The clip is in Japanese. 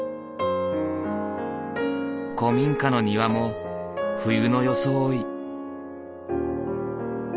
古民家の庭も冬の装い。